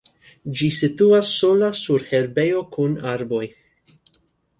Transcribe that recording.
Ĝi situas sola sur herbejo kun arboj.